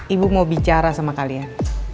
ibu mau bicara sama kalian